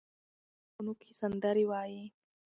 مرغۍ په ښاخونو کې سندرې وایي.